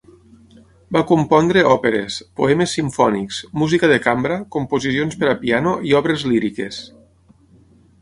Va compondre òperes, poemes simfònics, música de cambra, composicions per a piano i obres líriques.